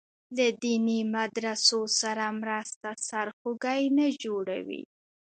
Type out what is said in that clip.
له دیني مدرسو سره مرسته سرخوږی نه جوړوي.